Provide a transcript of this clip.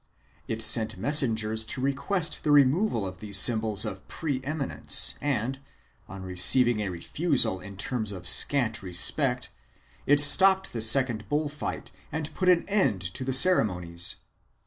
It sent messengers to request the removal of these symbols of pre eminence and, on receiving a refusal in terms of scant respect, it stopped the second bull fight and put an end to the ceremonies.